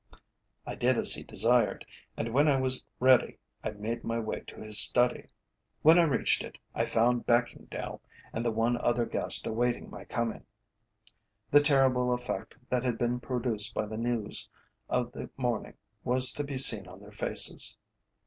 I did as he desired, and when I was ready I made my way to his study. When I reached it I found Beckingdale and the one other guest awaiting my coming. The terrible effect that had been produced by the news of the morning was to be seen on their faces.